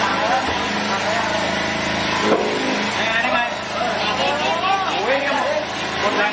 อันดับที่สุดท้ายก็จะเป็น